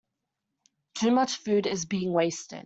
Too much food is being wasted.